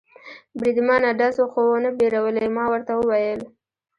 بریدمنه، ډزو خو و نه بیرولې؟ ما ورته وویل.